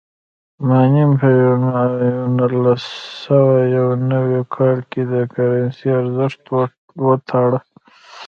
مینم په نولس سوه یو نوي کال کې د کرنسۍ ارزښت وتاړه.